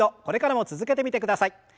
これからも続けてみてください。